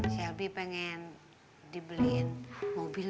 selby pengen dibeliin mobil